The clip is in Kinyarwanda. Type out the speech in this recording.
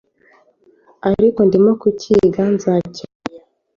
Ariko ndimo kukiga, nzakimenya.